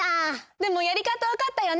でもやりかたわかったよね！